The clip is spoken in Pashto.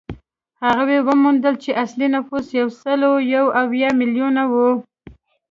هغوی وموندل چې اصلي نفوس یو سل یو اویا میلیونه و